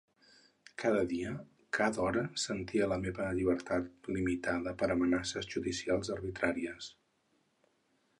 Cada dia, cada hora sentia la meva llibertat limitada per amenaces judicials arbitràries.